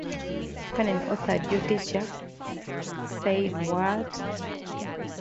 Kernen authored Your Teacher Said What?!